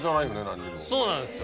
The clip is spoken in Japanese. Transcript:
そうなんですよ